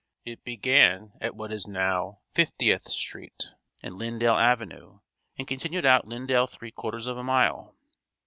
It began at what is now Fiftieth street and Lyndale Avenue and continued out Lyndale three quarters of a mile.